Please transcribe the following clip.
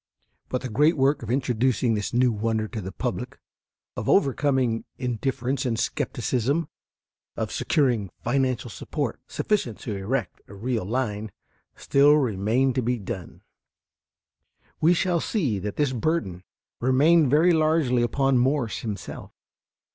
But the great work of introducing this new wonder to the public, of overcoming indifference and skepticism, of securing financial support sufficient to erect a real line, still remained to be done. We shall see that this burden remained very largely upon Morse himself.